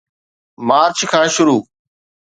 march کان شروع